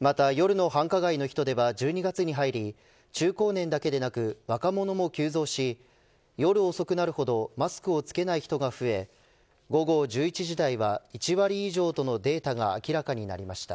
また夜の繁華街の人出は１２月に入り、中高年だけでなく若者も急増し夜遅くなるほどマスクを着けない人が増え午後１１時台は１割以上とのデータが明らかになりました。